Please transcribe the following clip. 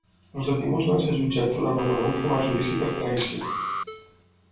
Els detinguts van ser jutjats durant el conegut com a Judici per Traïció.